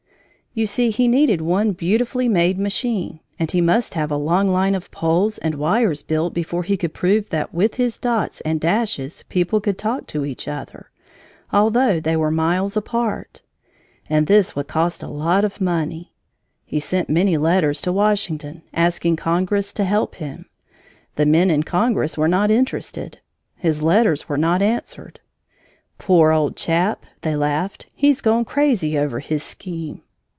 You see he needed one beautifully made machine, and he must have a long line of poles and wires built before he could prove that with his dots and dashes people could talk to each other, although they were miles apart. And this would cost a lot of money. He sent many letters to Washington, asking Congress to help him. The men in Congress were not interested. His letters were not answered. "Poor old chap," they laughed, "he's gone crazy over his scheme!"